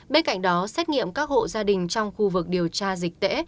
bên cạnh đó xét nghiệm các hộ gia đình trong khu vực điều tra dịch tễ